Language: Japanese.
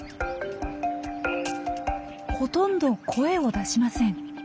ほとんど声を出しません。